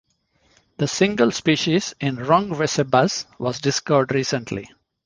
The single species in "Rungwecebus" was discovered recently.